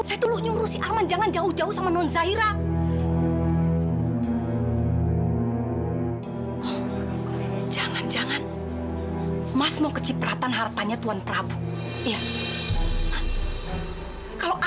emangnya mas kenal sama tuan prabu